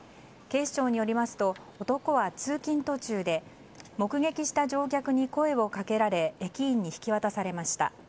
警視庁によりますと男は通勤途中で目撃した乗客に声をかけられ駅員に引き渡されました。